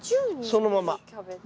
そのまま。